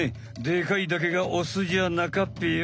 でかいだけがオスじゃなかっぺよ。